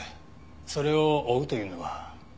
それを追うというのは。